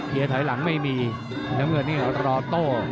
ถอยหลังไม่มีน้ำเงินนี่รอโต้